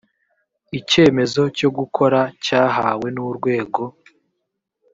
icyemezo cyo gukora cyahawe n urwego